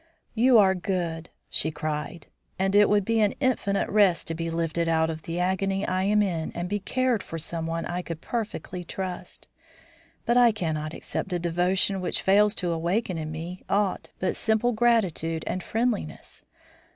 "You are good," she cried, "and it would be an infinite rest to be lifted out of the agony I am in and be cared for by someone I could perfectly trust. But I cannot accept a devotion which fails to awaken in me aught but simple gratitude and friendliness.